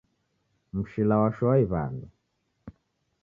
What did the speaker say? Mshila washoa iw'anu.